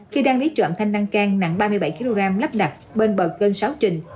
khi đang lấy trộm than lan can nặng ba mươi bảy kg lắp đặt bên bờ kênh sáu trình